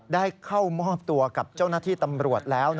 ได้เข้ามอบตัวกับเจ้าหน้าที่ตำรวจแล้ว